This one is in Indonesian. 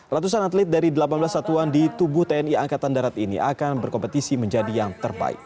ratusan atlet dari delapan belas satuan di tubuh tni angkatan darat ini akan berkompetisi menjadi yang terbaik